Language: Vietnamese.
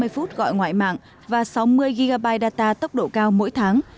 năm mươi phút gọi ngoại mạng và sáu mươi gb data tốc độ cao mỗi tháng